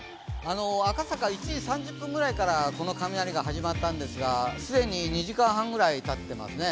赤坂、１時３０分ぐらいからこの雷が始まったんですが、既に２時間半ぐらいたっていますね。